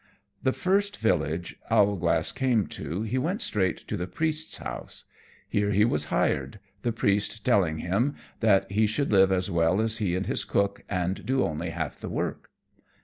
_ The first village Owlglass came to he went straight to the Priest's house. Here he was hired, the Priest telling him that he should live as well as he and his cook, and do only half the work.